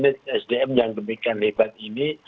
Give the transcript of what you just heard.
nah itu bagaimana memanage sdm yang demikian lebat ini